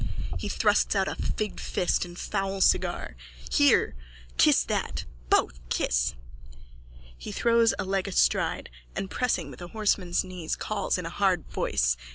(He thrusts out a figged fist and foul cigar.) Here, kiss that. Both. Kiss. _(He throws a leg astride and, pressing with horseman's knees, calls in a hard voice.)